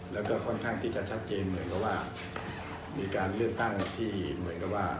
แล้วก็ค่อนข้างที่จะชัดเจนเหมือนกับว่ามีการเลือกตั้งที่เหมือนกับว่า